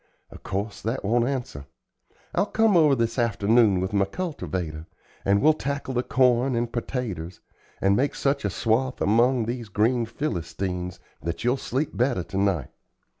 Of course that won't answer. I'll come over this afternoon with my cultivator, and we'll tackle the corn and pertaters, and make such a swath among these green Philistines that you'll sleep better to night.